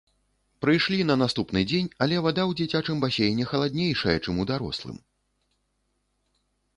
Прыйшлі на наступны дзень, але вада ў дзіцячым басейне халаднейшая, чым у дарослым.